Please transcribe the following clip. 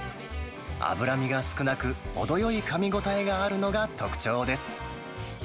脂身が少なく、程よいかみ応えがあるのが特徴です。